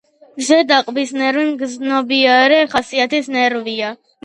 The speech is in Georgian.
ზედა ყბის ნერვი მგრძნობიარე ხასიათის ნერვია.